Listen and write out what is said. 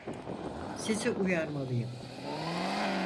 Sizi uyarmalıyım.